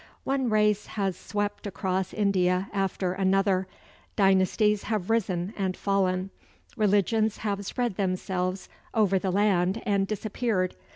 One race has swept across India after another, dynasties have risen and fallen, religions have spread themselves over the land and disappeared.